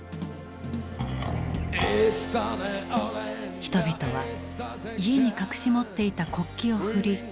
人々は家に隠し持っていた国旗を振り歌い続けた。